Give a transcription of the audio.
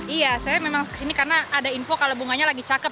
iya saya memang kesini karena ada info kalau bunganya lagi cakep